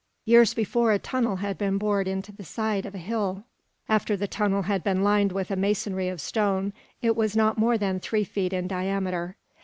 Years before a tunnel had been bored into the side of a hill. After the tunnel had been lined with a masonry of stone it was not more than three feet in diameter.